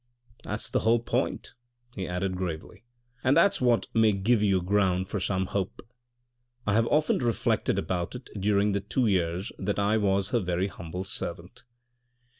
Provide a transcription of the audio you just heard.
" That's the whole point," he added gravely, " and that's what may give you ground for some hope. I have often re flected about it during the two years that I was her very humble servant.